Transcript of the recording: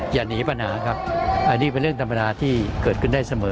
อย่าหนีปัญหาครับอันนี้เป็นเรื่องธรรมดาที่เกิดขึ้นได้เสมอ